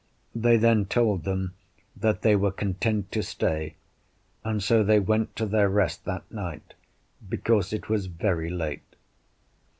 They then told them that they were content to stay; and so they went to their rest that night, because it was very late.